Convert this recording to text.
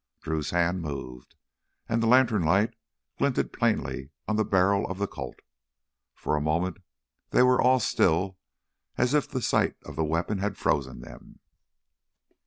Drew's hand moved, and the lantern light glinted plainly on the barrel of the Colt. For a moment they were all still as if sight of the weapon had frozen them.